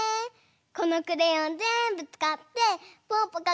このクレヨンぜんぶつかってぽぅぽか